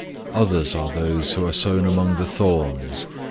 004:018 Others are those who are sown among the thorns.